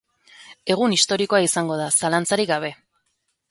Egun historikoa izango da, zalantzarik gabe.